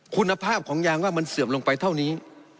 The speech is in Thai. คุณภาพของยางว่ามันเสื่อมลงไปเท่านี้